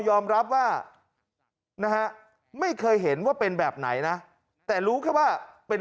ยอมรับว่านะฮะไม่เคยเห็นว่าเป็นแบบไหนนะแต่รู้แค่ว่าเป็น